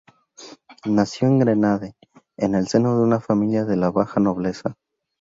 Nació en Grenade, en el seno de una familia de la baja nobleza.